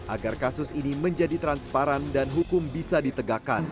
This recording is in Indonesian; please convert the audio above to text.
agar kasus ini menjadi transparan dan hukum bisa ditegakkan